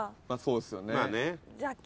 まあそうですよね。